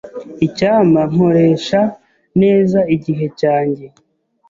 Icyampa nkoresha neza igihe cyanjye.